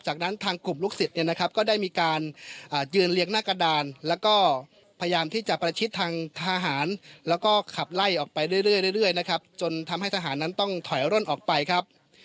จากนั้นทางกลุ่มลูกศิษย์เนี่ยนะครับก็ได้มีการยืนเลี้ยงหน้ากระดานแล้วก็พยายามที่จะประชิดทางทหารแล้วก็ขับไล่ออกไปเรื่อยนะครับจนทำให้ทหารนั้นต้องถอยร่นออกไปครับ